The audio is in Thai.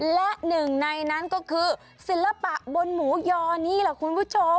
และหนึ่งในนั้นก็คือศิลปะบนหมูยอนี่แหละคุณผู้ชม